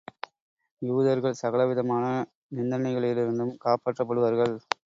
யூதர்கள் சகல விதமான நிந்தனைகளிலிருந்து காப்பாற்றப் படுவார்கள்.